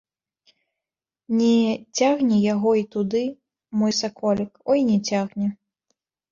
Не цягне яго і туды, мой саколік, ой, не цягне!